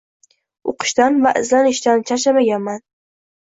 Oʻqishdan va izlanishdan charchamaganman.